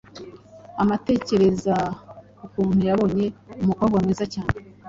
Amutekerereza ukuntu yabonye umukobwa mwiza cyane,